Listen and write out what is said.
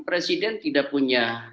presiden tidak punya